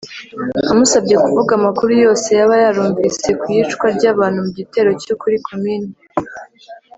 Amusabye kuvuga amakuru yose yaba yarumvise ku iyicwa ry’abantu mu gitero cyo kuri Komine